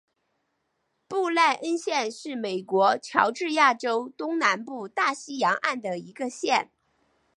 布赖恩县是美国乔治亚州东南部大西洋岸的一个县。